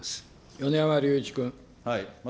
米山隆一君。